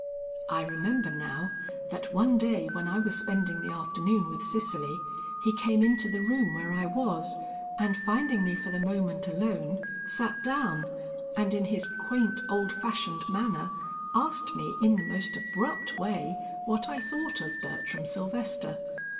"I remember now that one day when I was spending the afternoon with Cicely, he came into the room where I was, and finding me for the moment alone, sat down, and in his quaint old fashioned manner asked me in the most abrupt way what I thought of Bertram Sylvester.